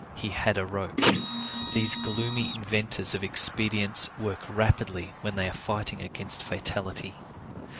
He had a rope. These gloomy inventors of expedients work rapidly when they are fighting against fatality.